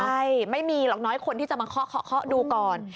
ใช่ไม่มีหลักน้อยคนที่จะมาเคาะเคาะเคาะดูก่อน